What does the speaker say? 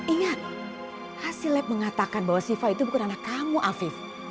ingat hasil lab mengatakan bahwa siva itu bukan anak kamu afif